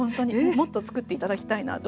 もっと作って頂きたいなと。